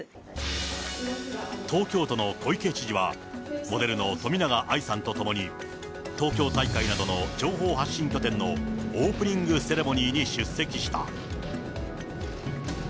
東京都の小池知事は、モデルの冨永愛さんとともに、東京大会などの情報発信拠点のオープニングセレモニーに出席した。